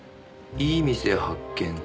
「いい店発見！